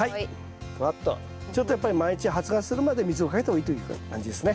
ちょっとやっぱり毎日発芽するまで水をかけた方がいいという感じですね。